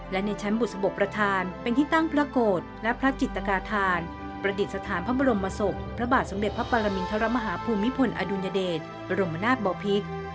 และในชั้นบุษบกประธานเป็นที่ตั้งพระโกรธและพระจิตกาธานประดิษฐานพระบรมศพพระบาทสมเด็จพระปรมินทรมาฮาภูมิพลอดุลยเดชบรมนาศบอพิษ